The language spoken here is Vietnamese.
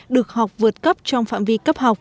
được học vượt cấp trong phạm vi cấp học